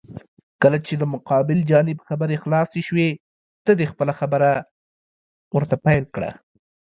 کله چې د مقابل جانب خبرې خلاسې شوې، ته دې خپله خبره ورته پېل کړه.